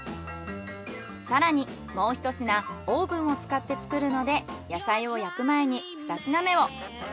さらにもうひと品オーブンを使って作るので野菜を焼く前に２品目を。